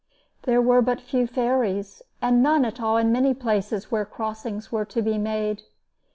There were but few ferries, and none at all in many places where crossings were to be made.